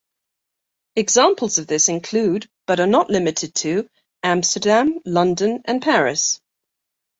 Examples of this include, but are not limited to, Amsterdam, London, and Paris.